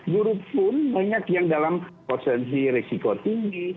guru pun banyak yang dalam potensi risiko tinggi